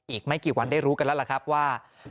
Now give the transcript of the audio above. อีกไม่กี่วันได้รู้กันแล้วล่ะครับว่า